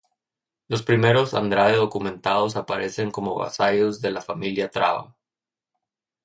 Los primeros Andrade documentados aparecen como vasallos de la familia Traba.